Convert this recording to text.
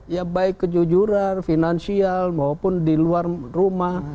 ya baik kejujuran finansial maupun di luar rumah